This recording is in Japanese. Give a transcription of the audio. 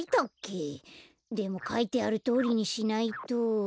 でもかいてあるとおりにしないと。